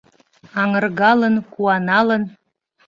Аҥыргалын, куаналын